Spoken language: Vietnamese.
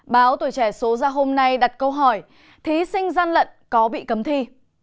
báo tuổi trẻ số ra hôm nay đặt câu hỏi thí sinh gian lận có bị cấm thi